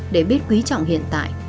để biết quý trọng hiện tại